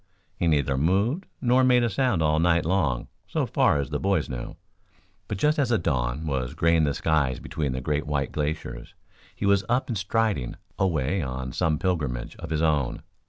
He neither moved nor made a sound all night long so far as the boys knew, but just as the dawn, was graying the skies between the great white glaciers, he was up and striding, away on some pilgrimage of his own.